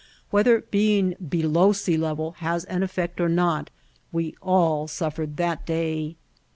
Whether being below sea level has an effect or not we all suffered that day.